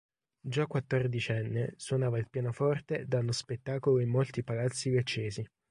Già quattordicenne suonava il pianoforte dando spettacolo in molti palazzi leccesi.